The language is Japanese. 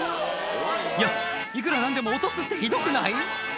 いやいくら何でも落とすってひどくない？